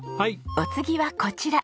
お次はこちら。